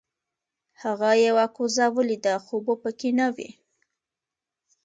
هغه یوه کوزه ولیده خو اوبه پکې نه وې.